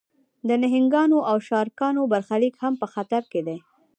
د نهنګانو او شارکانو برخلیک هم په خطر کې دی.